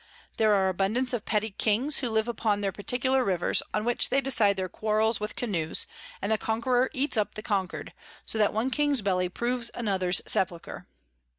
There are abundance of petty Kings, who live upon their particular Rivers, on which they decide their Quarrels with Canoes, and the Conqueror eats up the Conquer'd; so that one King's Belly proves another's Sepulcher.